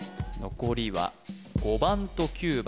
残りは５番と９番